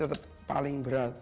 ini tetap paling berat